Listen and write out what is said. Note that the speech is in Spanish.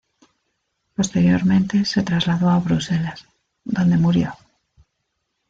Posteriormente se trasladó a Bruselas, donde murió.